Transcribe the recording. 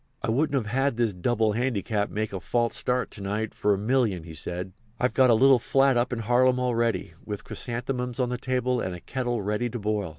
"I wouldn't have this double handicap make a false start to night for a million," he said. "I've got a little flat up in Harlem all ready, with chrysanthemums on the table and a kettle ready to boil.